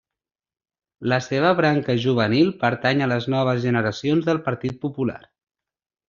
La seva branca juvenil pertany a les Noves Generacions del Partit Popular.